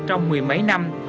trong mười mấy năm